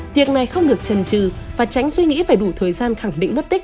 việc này không được trần trừ và tránh suy nghĩ phải đủ thời gian khẳng định mất tích